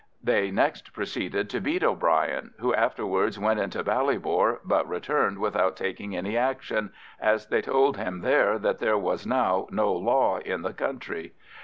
They next proceeded to beat O'Brien, who afterwards went into Ballybor but returned without taking any action, as they told him there that there was now no law in the country.